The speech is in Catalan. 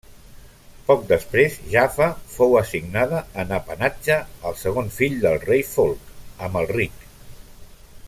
Poc després Jaffa fou assignada en apanatge al segon fill del rei Folc, Amalric.